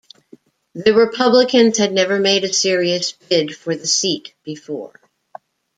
The Republicans had never made a serious bid for the seat before.